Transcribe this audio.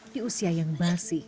di usia yang basi